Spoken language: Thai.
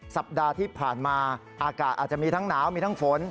สัปดาห์ที่ผ่านมาอากาศอาจจะมีทั้งหนาวมีทั้งฝน